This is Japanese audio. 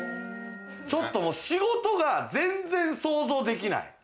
ちょっと仕事が全然想像できない。